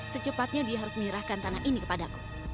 secepatnya dia harus menyerahkan tanah ini kepadaku